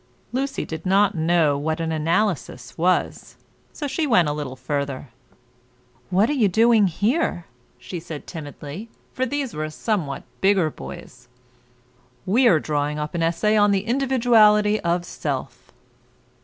Lucy did not know what an analysis was, so she went a little further. "What are you doing here?" she said timidly, for these were somewhat bigger boys. "We are drawing up an essay on the individuality of self."